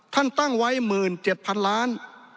ตั้งไว้๑๗๐๐๐ล้าน